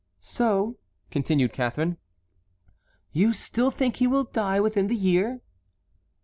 "So," continued Catharine, "you still think he will die within the year?"